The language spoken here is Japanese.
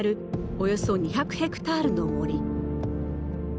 およそ２００ヘクタールの森。